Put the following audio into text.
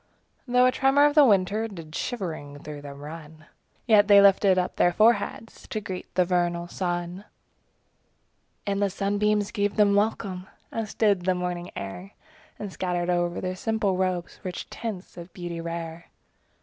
5 Though a tremor of the winter Did shivering through them run; Yet they lifted up their foreheads To greet the vernal sun. And the sunbeams gave them welcome. As did the morning air And scattered o'er their simple robes Rich tints of beauty rare.